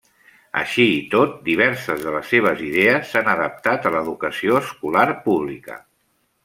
Així i tot, diverses de les seves idees s'han adaptat a l'educació escolar pública.